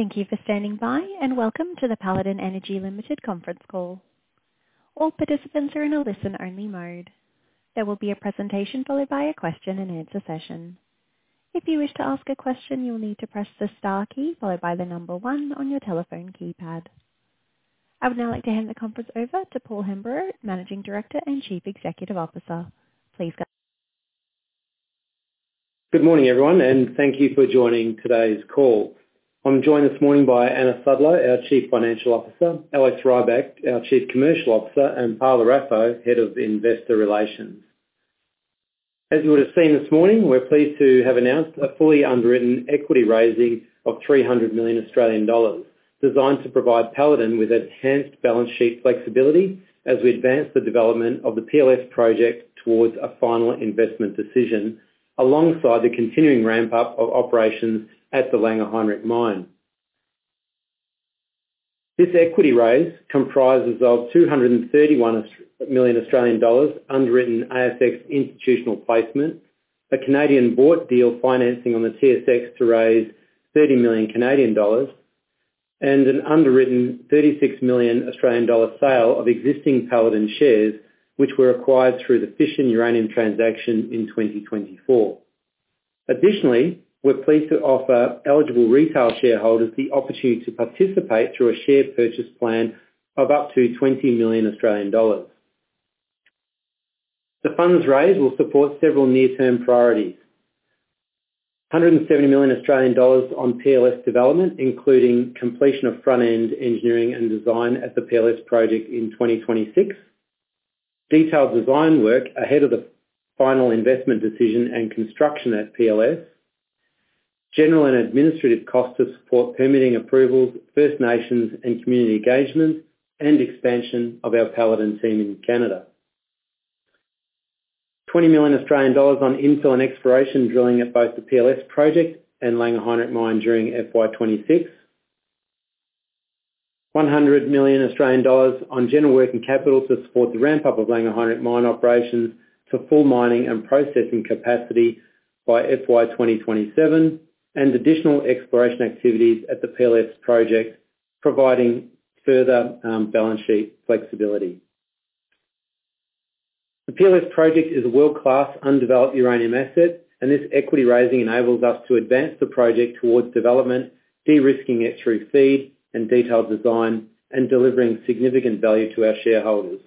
Thank you for standing by, and welcome to the Paladin Energy Ltd Conference Call. All participants are in a listen-only mode. There will be a presentation followed by a question-and-answer session. If you wish to ask a question, you'll need to press the star key followed by the number one on your telephone keypad. I would now like to hand the conference over to Paul Hemburrow, Managing Director and Chief Executive Officer. Please go. Good morning, everyone, and thank you for joining today's call. I'm joined this morning by Anna Sudlow, our Chief Financial Officer; Alex Rybak, our Chief Commercial Officer; and Paula Raffo, Head of Investor Relations. As you would have seen this morning, we're pleased to have announced a fully underwritten equity raising of 300 million Australian dollars designed to provide Paladin with enhanced balance sheet flexibility as we advance the development of the PLS project towards a final investment decision alongside the continuing ramp-up of operations at the Langer Heinrich Mine. This equity raise comprises of 231 million Australian dollars underwritten ASX institutional placement, a Canadian bought deal financing on the TSX to raise 30 million Canadian dollars, and an underwritten 36 million Australian dollar sale of existing Paladin shares which were acquired through the Fission Uranium transaction in 2024. Additionally, we're pleased to offer eligible retail shareholders the opportunity to participate through a share purchase plan of up to 20 million Australian dollars. The funds raised will support several near-term priorities. 170 million Australian dollars on PLS development, including completion of front-end engineering and design at the PLS project in 2026. Detailed design work ahead of the final investment decision and construction at PLS. General and administrative costs to support permitting approvals, First Nations and community engagement, and expansion of our Paladin team in Canada. 20 million Australian dollars on infill and exploration drilling at both the PLS project and Langer Heinrich Mine during FY26. 100 million Australian dollars on general working capital to support the ramp-up of Langer Heinrich Mine operations to full mining and processing capacity by FY2027. And additional exploration activities at the PLS project, providing further balance sheet flexibility. The PLS project is a world-class undeveloped uranium asset, and this equity raising enables us to advance the project towards development, de-risking it through FEED and detailed design, and delivering significant value to our shareholders.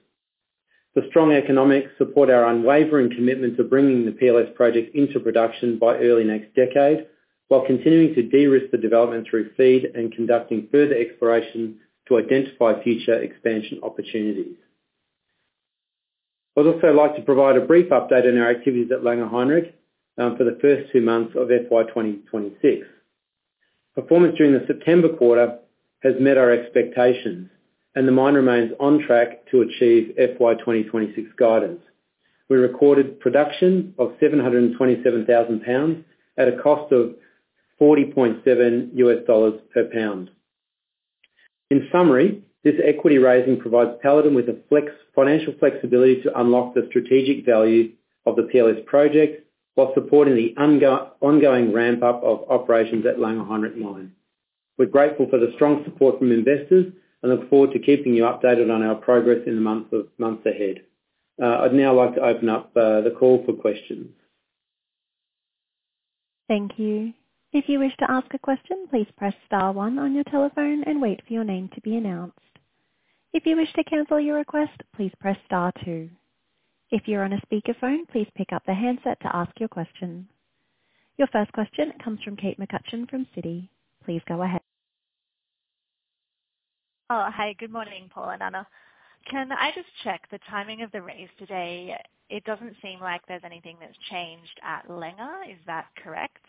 The strong economics support our unwavering commitment to bringing the PLS project into production by early next decade while continuing to de-risk the development through FEED and conducting further exploration to identify future expansion opportunities. I'd also like to provide a brief update on our activities at Langer Heinrich for the first two months of FY2026. Performance during the September quarter has met our expectations, and the mine remains on track to achieve FY2026 guidance. We recorded production of 727,000 lbs at a cost of $40.70 per pound. In summary, this equity raising provides Paladin with a financial flexibility to unlock the strategic value of the PLS project while supporting the ongoing ramp-up of operations at Langer Heinrich Mine. We're grateful for the strong support from investors and look forward to keeping you updated on our progress in the months ahead. I'd now like to open up the call for questions. Thank you. If you wish to ask a question, please press star one on your telephone and wait for your name to be announced. If you wish to cancel your request, please press star two. If you're on a speakerphone, please pick up the handset to ask your question. Your first question comes from Kate McCutcheon from Citi. Please go ahead. Oh, hi. Good morning, Paul and Anna. Can I just check the timing of the raise today? It doesn't seem like there's anything that's changed at Langer. Is that correct?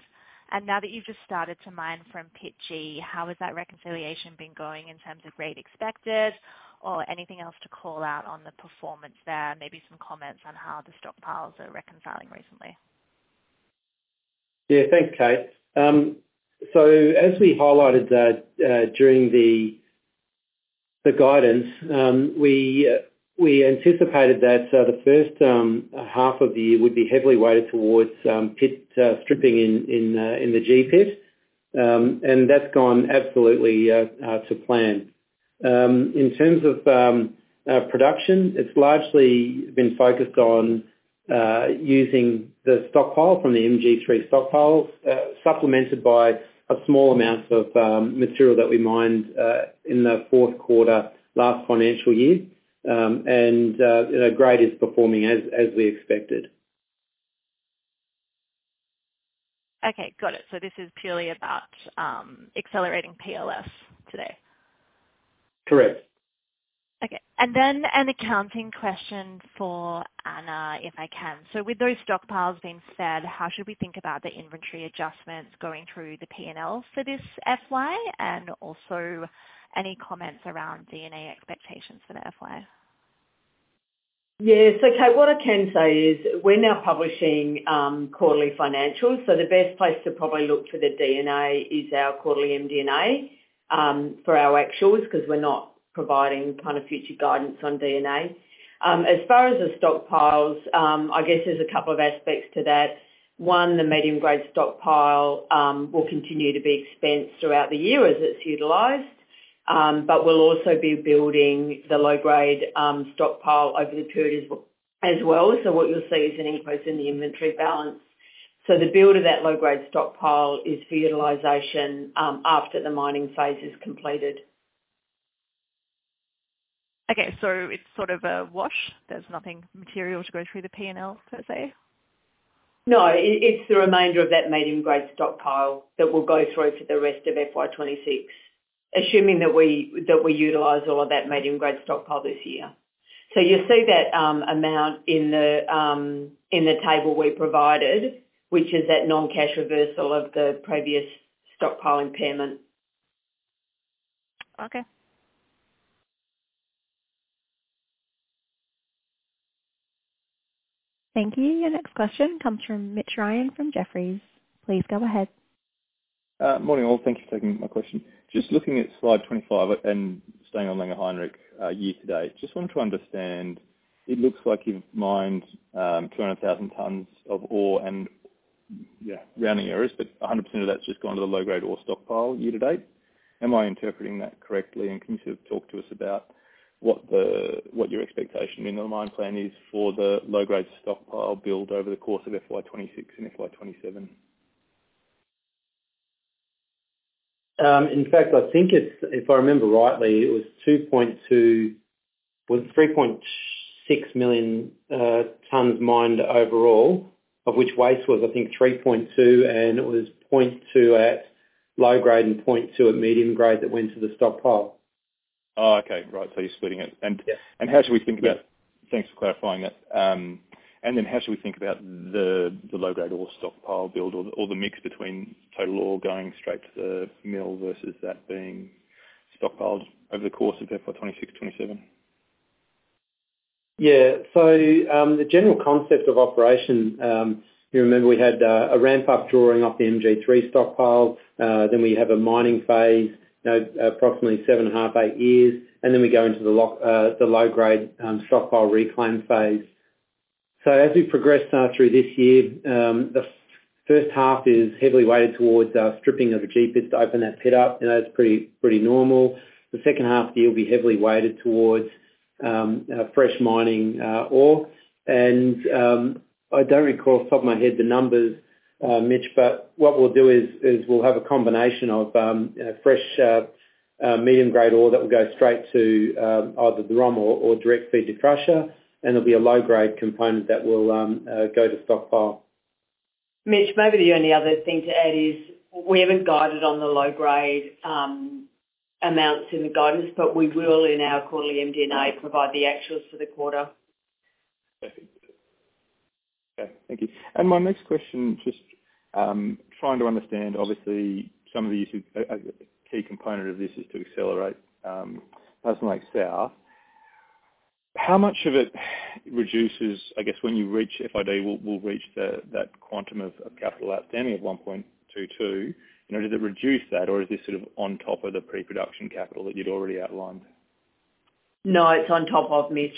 And now that you've just started to mine from Pit G, how has that reconciliation been going in terms of rate expected or anything else to call out on the performance there, maybe some comments on how the stockpiles are reconciling recently? Yeah, thanks, Kate. So as we highlighted during the guidance, we anticipated that the first half of the year would be heavily weighted towards pit stripping in the G-pit, and that's gone absolutely to plan. In terms of production, it's largely been focused on using the stockpile from the MG3 stockpiles supplemented by a small amount of material that we mined in the fourth quarter last financial year, and the grade is performing as we expected. Okay, got it. So this is purely about accelerating PLS today? Correct. Okay. And then an accounting question for Anna, if I can. So with those stockpiles being fed, how should we think about the inventory adjustments going through the P&L for this FY? And also any comments around D&A expectations for the FY? Yes. Okay, what I can say is we're now publishing quarterly financials, so the best place to probably look for the D&A is our quarterly MD&A for our actuals because we're not providing kind of future guidance on D&A. As far as the stockpiles, I guess there's a couple of aspects to that. One, the medium-grade stockpile will continue to be expensed throughout the year as it's utilized, but we'll also be building the low-grade stockpile over the period as well. So what you'll see is an increase in the inventory balance. So the build of that low-grade stockpile is for utilization after the mining phase is completed. Okay, so it's sort of a wash? There's nothing material to go through the P&L, per se? No, it's the remainder of that medium-grade stockpile that will go through for the rest of FY26, assuming that we utilize all of that medium-grade stockpile this year. So you see that amount in the table we provided, which is that non-cash reversal of the previous stockpile impairment. Okay. Thank you. Your next question comes from Mitch Ryan from Jefferies. Please go ahead. Morning all. Thank you for taking my question. Just looking at slide 25 and staying on Langer Heinrich year to date, just wanted to understand, it looks like you've mined 200,000 tonnes of ore and rounding errors, but 100% of that's just gone to the low-grade ore stockpile year to date. Am I interpreting that correctly? And can you sort of talk to us about what your expectation in the mine plan is for the low-grade stockpile build over the course of FY26 and FY27? In fact, I think it's, if I remember rightly, it was 2.2, was it 3.6 million tonnes mined overall, of which waste, I think, 3.2, and it was 0.2 at low grade and 0.2 at medium grade that went to the stockpile. Oh, okay. Right. So you're splitting it. And how should we think about, thanks for clarifying that. And then how should we think about the low-grade ore stockpile build or the mix between total ore going straight to the mill versus that being stockpiled over the course of FY26, FY27? Yeah. So the general concept of operation, you remember we had a ramp-up drawing off the MG3 stockpile. Then we have a mining phase, approximately seven and a half, eight years, and then we go into the low-grade stockpile reclaim phase. So as we progress through this year, the first half is heavily weighted towards stripping of the G-pit to open that pit up. That's pretty normal. The second half of the year will be heavily weighted towards fresh mining ore. And I don't recall off the top of my head the numbers, Mitch, but what we'll do is we'll have a combination of fresh medium-grade ore that will go straight to either the ROM or direct FEED to crusher, and there'll be a low-grade component that will go to stockpile. Mitch, maybe the only other thing to add is we haven't guided on the low-grade amounts in the guidance, but we will in our quarterly MD&A provide the actuals for the quarter. Okay. Thank you. And my next question, just trying to understand, obviously, some of the key component of this is to accelerate the PLS. How much of it reduces, I guess, when you reach FID? Will it reduce that quantum of capital outstanding of 1.22? Does it reduce that, or is this sort of on top of the pre-production capital that you'd already outlined? No, it's on top of, Mitch.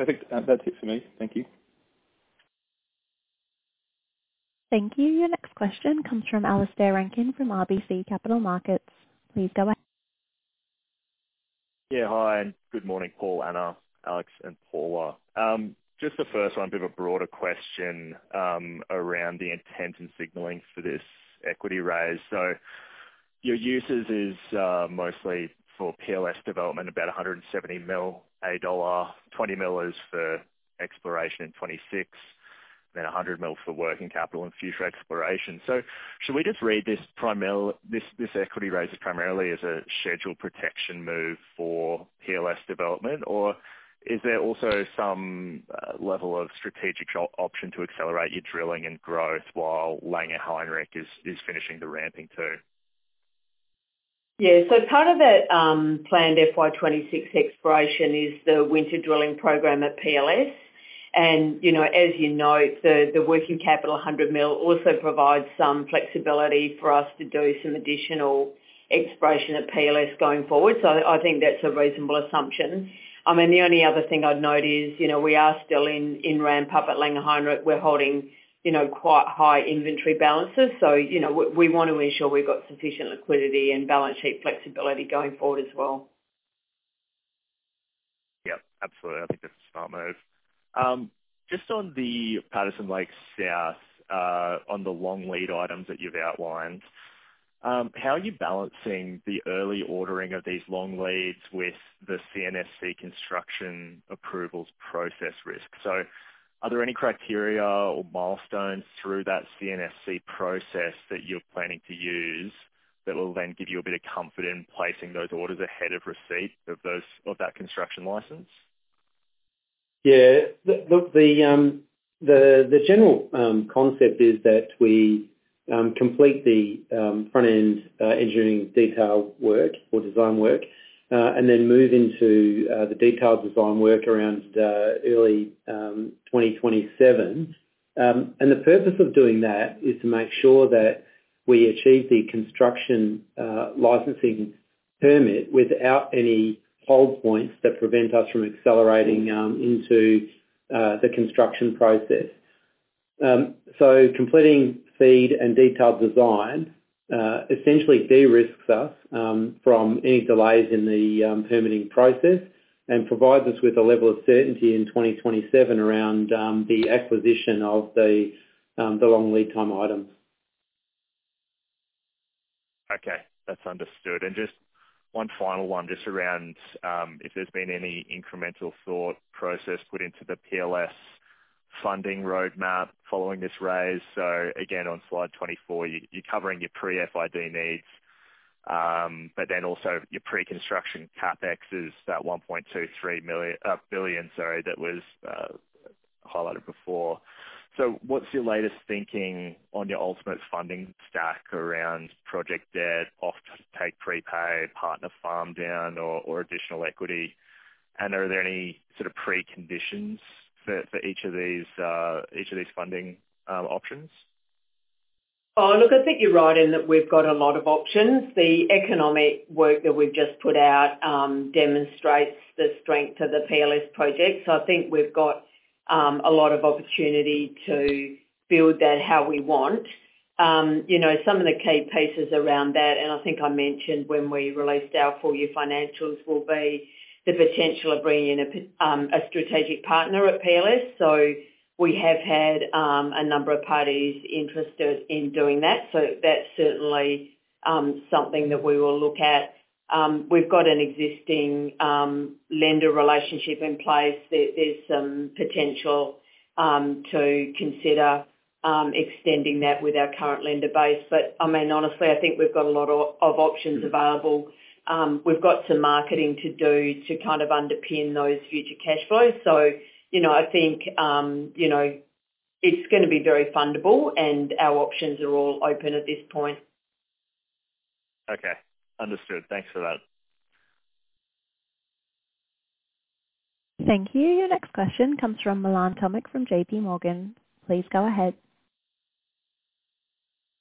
Okay. Perfect. That's it for me. Thank you. Thank you. Your next question comes from Alastair Rankin from RBC Capital Markets. Please go ahead. Yeah, hi. Good morning, Paul, Anna, Alex, and Paula. Just the first one, a bit of a broader question around the intent and signaling for this equity raise. So your uses is mostly for PLS development, about 170 million dollar, 20 million is for exploration in 2026, then 100 million for working capital and future exploration. So should we just read this equity raise primarily as a schedule protection move for PLS development, or is there also some level of strategic option to accelerate your drilling and growth while Langer Heinrich is finishing the ramping too? Yeah. So part of that planned FY26 exploration is the winter drilling program at PLS. And as you know, the working capital 100 million also provides some flexibility for us to do some additional exploration at PLS going forward. So I think that's a reasonable assumption. I mean, the only other thing I'd note is we are still in ramp-up at Langer Heinrich. We're holding quite high inventory balances, so we want to ensure we've got sufficient liquidity and balance sheet flexibility going forward as well. Yep, absolutely. I think that's a smart move. Just on the Patterson Lake South, on the long lead items that you've outlined, how are you balancing the early ordering of these long leads with the CNSC construction approvals process risk? So are there any criteria or milestones through that CNSC process that you're planning to use that will then give you a bit of comfort in placing those orders ahead of receipt of that construction license? Yeah. The general concept is that we complete the front-end engineering detail work or design work and then move into the detailed design work around early 2027. And the purpose of doing that is to make sure that we achieve the construction licensing permit without any hold points that prevent us from accelerating into the construction process. So completing FEED and detailed design essentially de-risks us from any delays in the permitting process and provides us with a level of certainty in 2027 around the acquisition of the long lead time items. Okay. That's understood. And just one final one, just around if there's been any incremental thought process put into the PLS funding roadmap following this raise. So again, on slide 24, you're covering your pre-FID needs, but then also your pre-construction CapEx is that 1.23 billion, sorry, that was highlighted before. So what's your latest thinking on your ultimate funding stack around project debt, off-take prepay, partner farm down, or additional equity? And are there any sort of preconditions for each of these funding options? Oh, look, I think you're right in that we've got a lot of options. The economic work that we've just put out demonstrates the strength of the PLS project. So I think we've got a lot of opportunity to build that how we want. Some of the key pieces around that, and I think I mentioned when we released our full year financials, will be the potential of bringing in a strategic partner at PLS. So we have had a number of parties interested in doing that. So that's certainly something that we will look at. We've got an existing lender relationship in place that there's some potential to consider extending that with our current lender base. But I mean, honestly, I think we've got a lot of options available. We've got some marketing to do to kind of underpin those future cash flows. I think it's going to be very fundable, and our options are all open at this point. Okay. Understood. Thanks for that. Thank you. Your next question comes from Milan Tomic from JPMorgan. Please go ahead.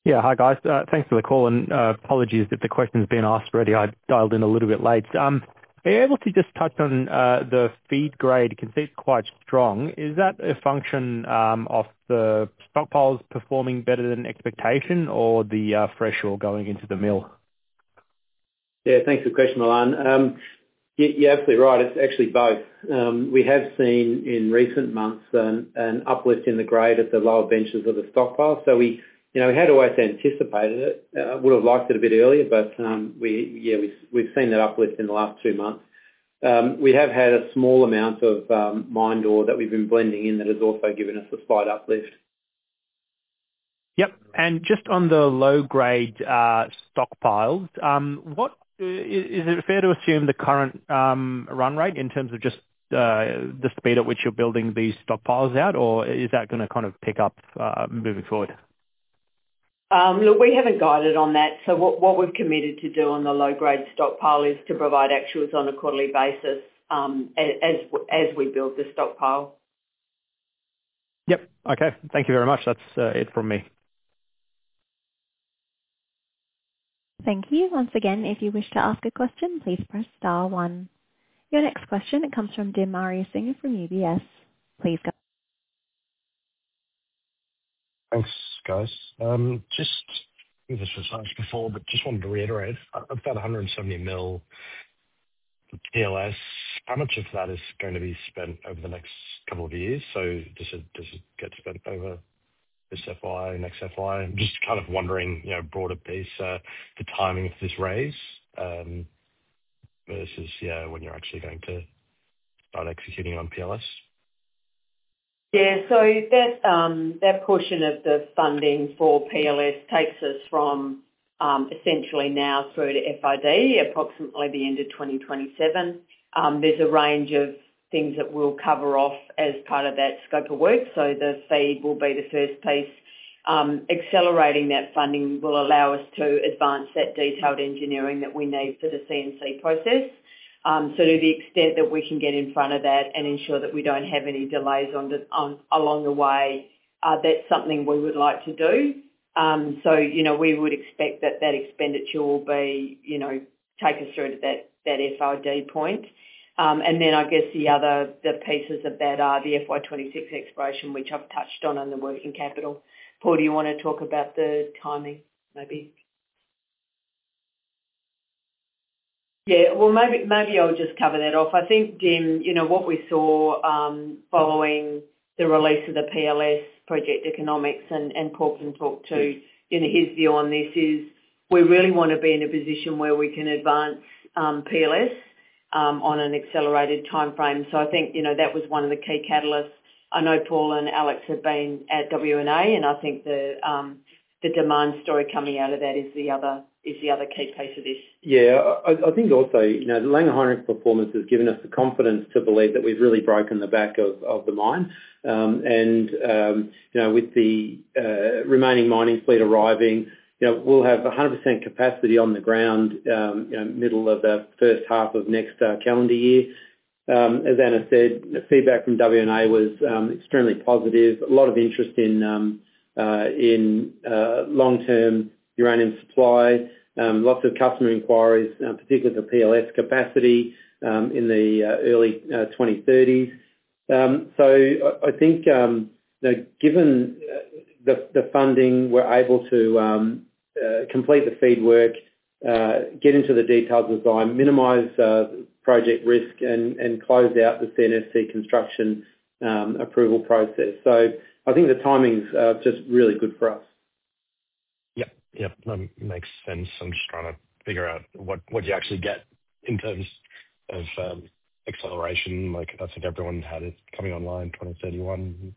Yeah, hi, guys. Thanks for the call, and apologies if the question's been asked already. I dialed in a little bit late. Are you able to just touch on the FEED grade? You can see it's quite strong. Is that a function of the stockpiles performing better than expectation or the threshold going into the mill? Yeah, thanks for the question, Milan. You're absolutely right. It's actually both. We have seen in recent months an uplift in the grade at the lower benches of the stockpile. So we had always anticipated it. Would have liked it a bit earlier, but yeah, we've seen that uplift in the last two months. We have had a small amount of mine ore that we've been blending in that has also given us a slight uplift. Yep, and just on the low-grade stockpiles, is it fair to assume the current run rate in terms of just the speed at which you're building these stockpiles out, or is that going to kind of pick up moving forward? Look, we haven't guided on that. So what we've committed to do on the low-grade stockpile is to provide actuals on a quarterly basis as we build the stockpile. Yep. Okay. Thank you very much. That's it from me. Thank you. Once again, if you wish to ask a question, please press star one. Your next question, it comes from Dim Ariyasinghe from UBS. Please go. Thanks, guys. Just this was asked before, but just wanted to reiterate. I've got 170 million PLS. How much of that is going to be spent over the next couple of years? So does it get spent over this FY, next FY? I'm just kind of wondering, broader piece, the timing of this raise versus, yeah, when you're actually going to start executing on PLS? Yeah. So that portion of the funding for PLS takes us from essentially now through to FID, approximately the end of 2027. There's a range of things that we'll cover off as part of that scope of work. So the FEED will be the first piece. Accelerating that funding will allow us to advance that detailed engineering that we need for the CNSC process. So to the extent that we can get in front of that and ensure that we don't have any delays along the way, that's something we would like to do. So we would expect that that expenditure will take us through to that FID point. And then I guess the other pieces of that are the FY26 exploration, which I've touched on in the working capital. Paul, do you want to talk about the timing maybe? Yeah. Well, maybe I'll just cover that off. I think, Dim, what we saw following the release of the PLS project economics and Paul can talk to his view on this is we really want to be in a position where we can advance PLS on an accelerated timeframe. So I think that was one of the key catalysts. I know Paul and Alex have been at WNA, and I think the demand story coming out of that is the other key piece of this. Yeah. I think also Langer Heinrich performance has given us the confidence to believe that we've really broken the back of the mine. And with the remaining mining fleet arriving, we'll have 100% capacity on the ground middle of the first half of next calendar year. As Anna said, feedback from WNA was extremely positive. A lot of interest in long-term uranium supply, lots of customer inquiries, particularly for PLS capacity in the early 2030s. So I think given the funding, we're able to complete the FEED work, get into the detailed design, minimize project risk, and close out the CNSC construction approval process. So I think the timing's just really good for us. Yep. Yep. That makes sense. I'm just trying to figure out what you actually get in terms of acceleration. I think everyone had it coming online around 2031.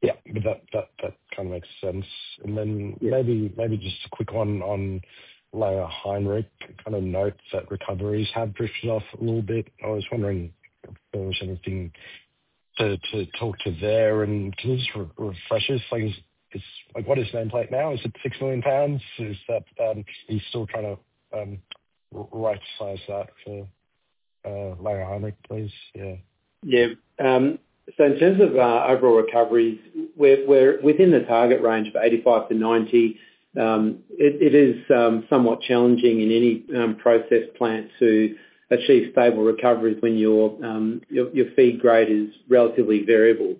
Yeah, that kind of makes sense. And then maybe just a quick one on Langer Heinrich. Kind of note that recoveries have drifted off a little bit. I was wondering if there was anything to talk to there. And can you just refresh us? What is its nameplate now? Is it 6 million lbs? Is that? He's still trying to right-size that for Langer Heinrich, please? Yeah. Yeah. So in terms of overall recoveries, we're within the target range of 85%-90%. It is somewhat challenging in any process plant to achieve stable recoveries when your FEED grade is relatively variable.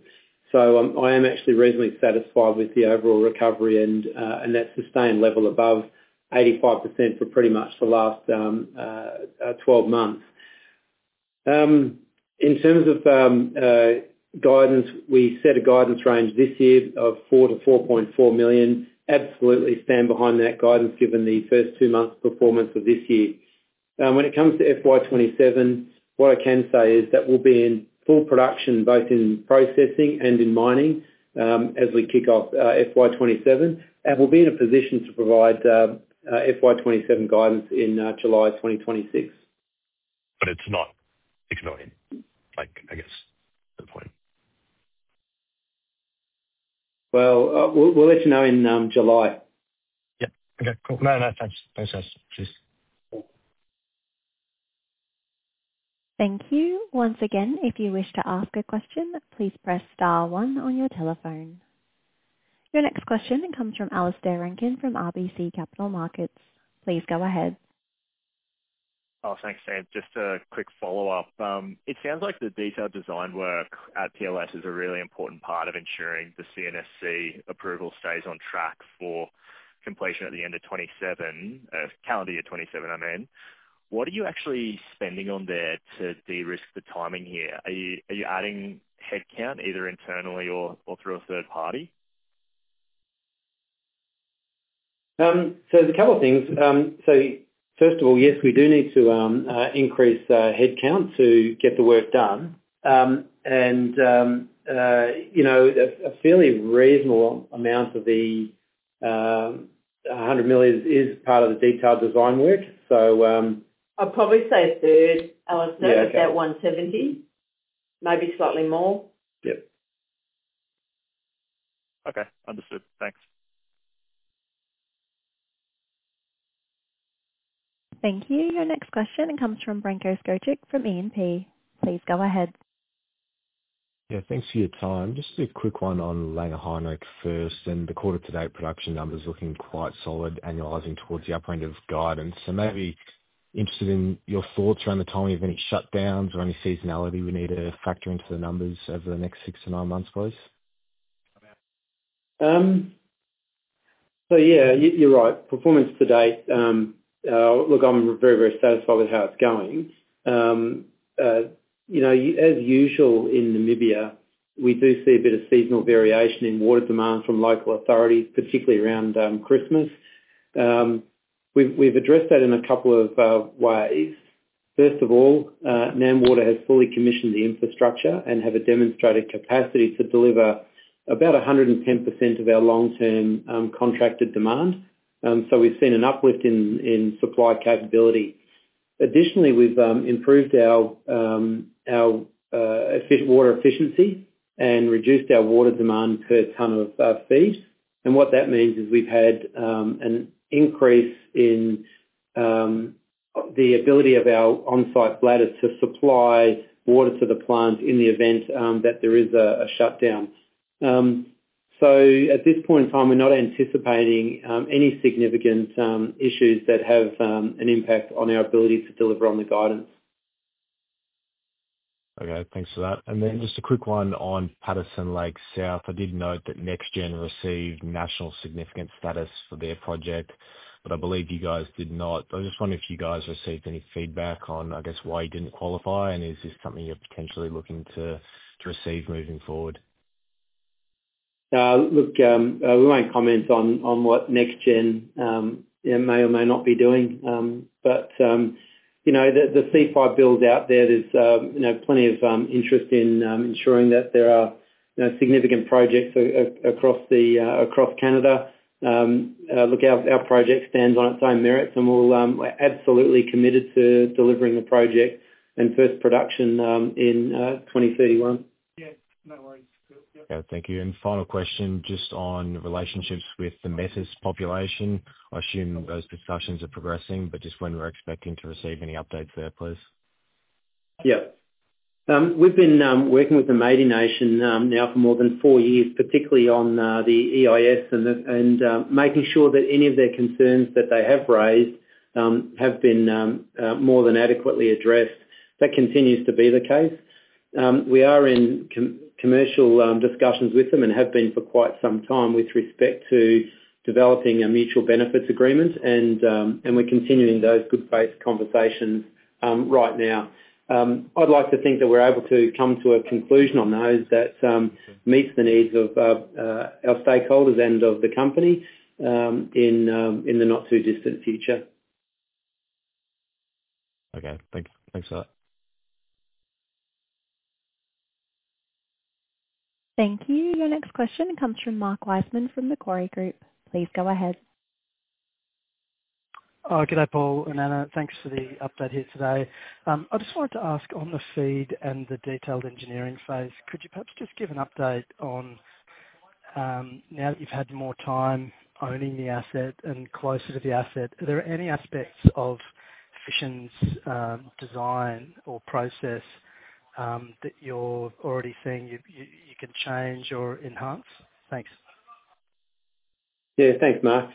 So I am actually reasonably satisfied with the overall recovery and that sustained level above 85% for pretty much the last 12 months. In terms of guidance, we set a guidance range this year of 4 million-4.4 million. Absolutely stand behind that guidance given the first two months' performance of this year. When it comes to FY27, what I can say is that we'll be in full production, both in processing and in mining as we kick off FY27. And we'll be in a position to provide FY27 guidance in July 2026. But it's not exciting, I guess, at this point. We'll let you know in July. Yep. Okay. Cool. No, no. Thanks. Thanks, guys. Cheers. Thank you. Once again, if you wish to ask a question, please press star one on your telephone. Your next question comes from Alistair Rankin from RBC Capital Markets. Please go ahead. Oh, thanks, Dan. Just a quick follow-up. It sounds like the detailed design work at PLS is a really important part of ensuring the CNSC approval stays on track for completion at the end of 2027, calendar year 2027, I mean. What are you actually spending on there to de-risk the timing here? Are you adding headcount either internally or through a third party? So there's a couple of things. So first of all, yes, we do need to increase headcount to get the work done. And a fairly reasonable amount of the 100 million is part of the detailed design work. I'd probably say a third. Alastair, is that 170? Maybe slightly more. Yep. Okay. Understood. Thanks. Thank you. Your next question comes from Branko Skocic from E&P. Please go ahead. Yeah. Thanks for your time. Just a quick one on Langer Heinrich first. And the quarter-to-date production numbers looking quite solid annualizing towards the upper end of guidance. So maybe interested in your thoughts around the timing of any shutdowns or any seasonality we need to factor into the numbers over the next six to nine months, please? So yeah, you're right. Performance to date, look, I'm very, very satisfied with how it's going. As usual in Namibia, we do see a bit of seasonal variation in water demand from local authorities, particularly around Christmas. We've addressed that in a couple of ways. First of all, NamWater has fully commissioned the infrastructure and have a demonstrated capacity to deliver about 110% of our long-term contracted demand. So we've seen an uplift in supply capability. Additionally, we've improved our water efficiency and reduced our water demand per ton of feed. And what that means is we've had an increase in the ability of our on-site bladders to supply water to the plant in the event that there is a shutdown. So at this point in time, we're not anticipating any significant issues that have an impact on our ability to deliver on the guidance. Okay. Thanks for that. And then just a quick one on Patterson Lake South. I did note that NexGen received national significant status for their project, but I believe you guys did not. I just wonder if you guys received any feedback on, I guess, why you didn't qualify, and is this something you're potentially looking to receive moving forward? Look, we won't comment on what NexGen may or may not be doing, but the C-5 builds out there. There's plenty of interest in ensuring that there are significant projects across Canada. Look, our project stands on its own merits, and we're absolutely committed to delivering the project and first production in 2031. Yeah. No worries. Good. Yep. Thank you, and final question just on relationships with the Métis population. I assume those discussions are progressing, but just when we're expecting to receive any updates there, please. Yep. We've been working with the Métis Nation now for more than four years, particularly on the EIS and making sure that any of their concerns that they have raised have been more than adequately addressed. That continues to be the case. We are in commercial discussions with them and have been for quite some time with respect to developing a mutual benefits agreement, and we're continuing those good faith conversations right now. I'd like to think that we're able to come to a conclusion on those that meets the needs of our stakeholders and of the company in the not-too-distant future. Okay. Thanks. Thanks for that. Thank you. Your next question comes from Mark Wiseman from Macquarie Group. Please go ahead. Good day, Paul and Anna. Thanks for the update here today. I just wanted to ask on the FEED and the detailed engineering phase, could you perhaps just give an update on now that you've had more time owning the asset and closer to the asset, are there any aspects of Fission's design or process that you're already seeing you can change or enhance? Thanks. Yeah. Thanks, Mark.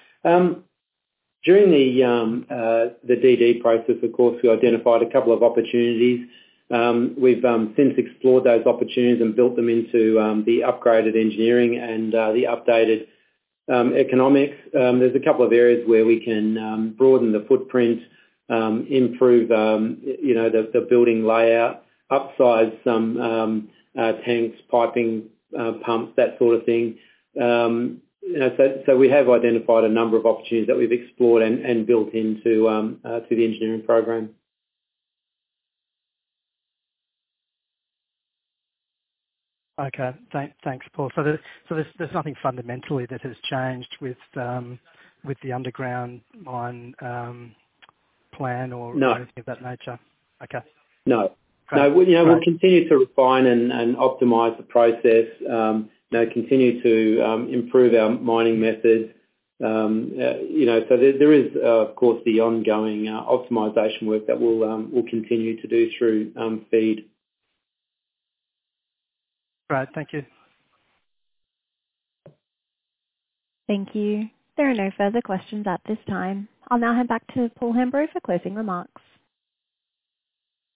During the DD process, of course, we identified a couple of opportunities. We've since explored those opportunities and built them into the upgraded engineering and the updated economics. There's a couple of areas where we can broaden the footprint, improve the building layout, upsize some tanks, piping, pumps, that sort of thing. So we have identified a number of opportunities that we've explored and built into the engineering program. Okay. Thanks, Paul. So there's nothing fundamentally that has changed with the underground mine plan or anything of that nature? No. Okay. No. No. We'll continue to refine and optimize the process, continue to improve our mining method. So there is, of course, the ongoing optimization work that we'll continue to do through FEED. All right. Thank you. Thank you. There are no further questions at this time. I'll now hand back to Paul Hemburrow for closing remarks.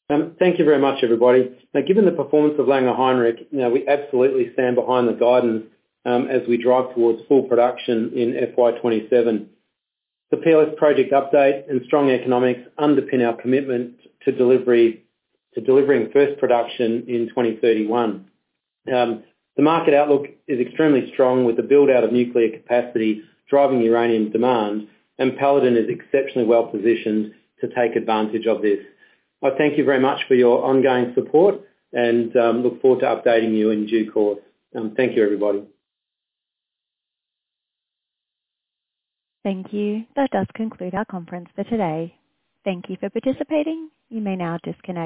Thank you very much, everybody. Now, given the performance of Langer Heinrich, we absolutely stand behind the guidance as we drive towards full production in FY27. The PLS project update and strong economics underpin our commitment to delivering first production in 2031. The market outlook is extremely strong with the build-out of nuclear capacity driving uranium demand, and Paladin is exceptionally well-positioned to take advantage of this. I thank you very much for your ongoing support and look forward to updating you in due course. Thank you, everybody. Thank you. That does conclude our conference for today. Thank you for participating. You may now disconnect.